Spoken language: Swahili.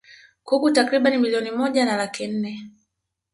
kuku takriban milioni moja na laki nne